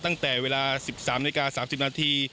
ตั้งแต่เวลา๑๓๓๐นาที